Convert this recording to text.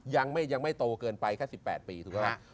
ยังไม่โตเกินไปแค่๑๘ปีถูกหรือเปล่า